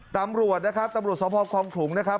ตำรวจนะครับตำรวจสภคลองขลุงนะครับ